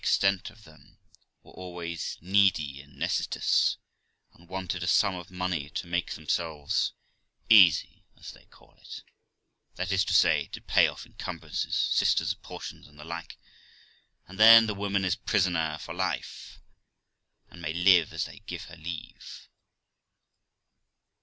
extent of them, were always needy and necessitous, and wanted a sum of money to make themselves easy, as they call it that is to say, to pay off encumbrances, sisters' portions, and the like; and then the woman is prisoner for life, and may live as they give her leave.